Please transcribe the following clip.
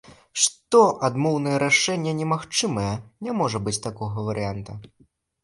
Што адмоўнае рашэнне немагчымае, не можа быць такога варыянта.